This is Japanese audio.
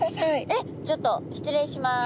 えっちょっと失礼します。